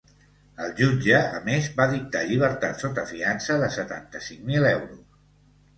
El jutge, a més, va dictar llibertat sota fiança de setanta-cinc mil euros.